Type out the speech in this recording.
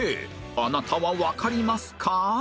あなたはわかりますか？